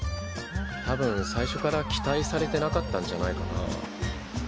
たぶん最初から期待されてなかったんじゃないかな。